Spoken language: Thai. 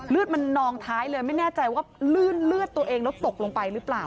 เลือดมันนองท้ายเลยไม่แน่ใจว่าลื่นเลือดตัวเองแล้วตกลงไปหรือเปล่า